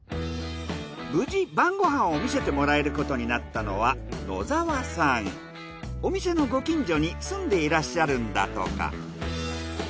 無事晩ご飯を見せてもらえることになったのはお店のご近所に住んでいらっしゃるんだとか。